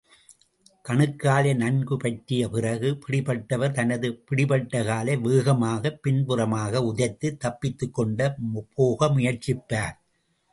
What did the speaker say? கணுக்காலை நன்கு பற்றிய பிறகு, பிடிபட்டவர் தனது பிடிபட்ட காலை வேகமாகப் பின்புறமாக உதைத்து, தப்பித்துக்கொண்டு போக முயற்சிப்பார்.